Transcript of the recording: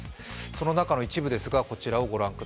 その中の一部です。